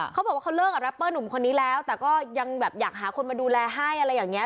เขาบอกว่าเขาเลิกกับแรปเปอร์หนุ่มคนนี้แล้วแต่ก็ยังแบบอยากหาคนมาดูแลให้อะไรอย่างนี้